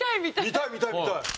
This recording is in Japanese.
見たい見たい見たい！